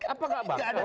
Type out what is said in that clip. apakah gak bakat